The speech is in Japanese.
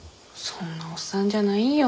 そんなおっさんじゃないんよ